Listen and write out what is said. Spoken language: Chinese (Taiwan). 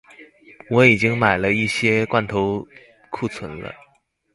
我已經買了一些罐頭庫存了